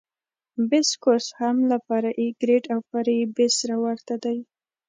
بیس کورس هم له فرعي ګریډ او فرعي بیس سره ورته دی